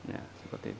ya seperti itu